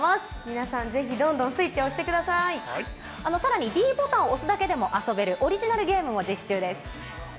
皆さん、ぜひどんどんスイッさらに、ｄボタンを押すだけでも遊べるオリジナルゲームも実施中です。